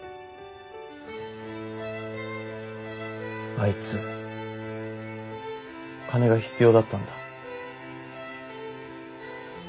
あいつ金が必要だったんだ。